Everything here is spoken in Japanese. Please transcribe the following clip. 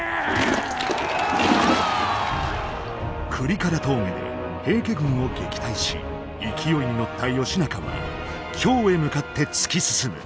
倶利伽羅峠で平家軍を撃退し勢いに乗った義仲は京へ向かって突き進む。